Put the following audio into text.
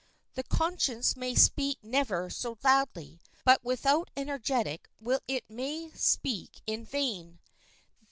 The conscience may speak never so loudly, but without energetic will it may speak in vain.